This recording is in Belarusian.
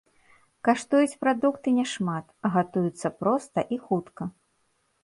Каштуюць прадукты няшмат, а гатуюцца проста і хутка.